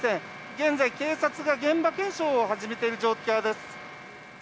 現在、警察が現場検証を始めている状況です。